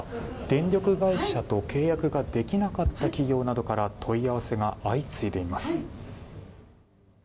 電力会社と契約ができなかった企業などから、問い合わせが相次いでいます。